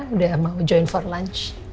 udah mau join for lunch